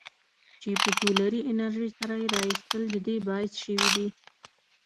چې په سولري انرژۍ سره یې رایستل د دې باعث شویدي.